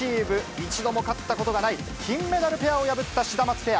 一度も勝ったことがない金メダルペアを破ったシダマツペア。